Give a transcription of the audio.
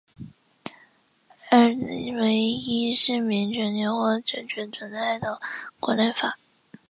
二为依市民权利或政权存在的国内法。